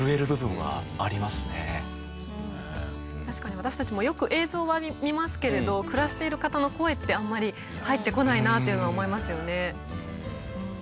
確かに私たちもよく映像は見ますけれど暮らしている方の声ってあんまり入ってこないなっていうのは思いますよね。